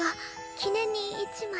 記念に一枚。